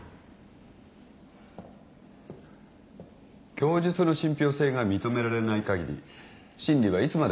供述の信ぴょう性が認められないかぎり審理はいつまでも続きますよ。